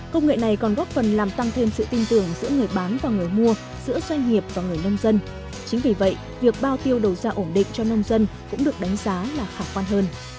công nghệ này còn góp phần làm tăng thêm sự tin tưởng giữa người bán và người mua giữa doanh nghiệp và người nông dân chính vì vậy việc bao tiêu đầu ra ổn định cho nông dân cũng được đánh giá là khả quan hơn